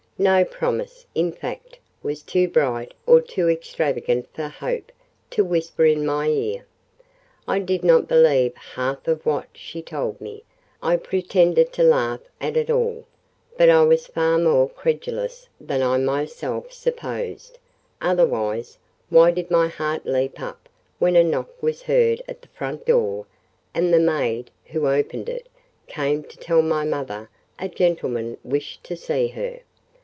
No promise, in fact, was too bright or too extravagant for Hope to whisper in my ear. I did not believe half of what she told me: I pretended to laugh at it all; but I was far more credulous than I myself supposed; otherwise, why did my heart leap up when a knock was heard at the front door, and the maid, who opened it, came to tell my mother a gentleman wished to see her?